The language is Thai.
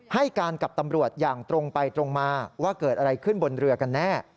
ให้การกับตำรวจอย่างตรงไปตรงมาว่าเกิดอะไรขึ้นบนเรือกันแน่